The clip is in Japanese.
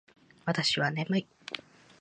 私は眠い